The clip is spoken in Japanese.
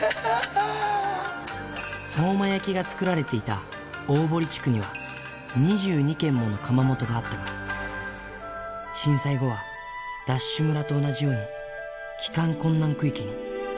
相馬焼が作られていた大堀地区には、２２軒もの窯元があったが、震災後は、ＤＡＳＨ村と同じように、帰還困難区域に。